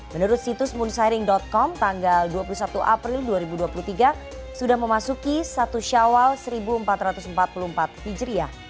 menurut situs moonsharing com tanggal dua puluh satu april dua ribu dua puluh tiga sudah memasuki satu syawal seribu empat ratus empat puluh empat hijriah